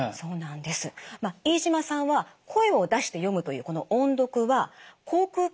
飯島さんは声を出して読むというこの音読は口くう